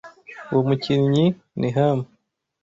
Uwo mukinnyi ni ham.